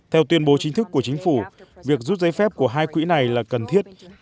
theo tuyên bố chính thức của chính phủ việc rút giấy phép của hai quỹ này là cần thiết